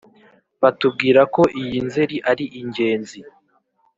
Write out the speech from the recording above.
Batubwira ko iyi Nzeri ari ingenzi